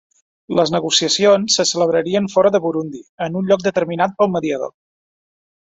Les negociacions se celebrarien fora de Burundi, en un lloc determinat pel mediador.